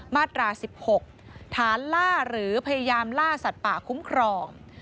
มาตรา๑๖ฐานล่าหรือพยายามล่าสัตว์ป่าคุ้มครอง